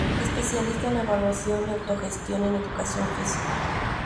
Especialista en evaluación y autogestión en educación física.